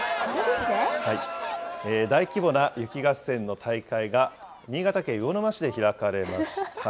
大規模な雪合戦の大会が、新潟県魚沼市で開かれました。